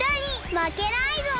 まけないぞ！